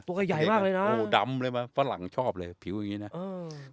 ใหญ่มากเลยนะโอ้โหดำเลยมาฝรั่งชอบเลยผิวอย่างงี้นะอืม